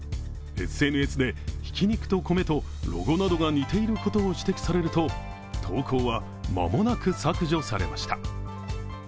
ＳＮＳで挽肉と米とロゴなどが似ていることを指摘されると投稿は間もなく削除されました。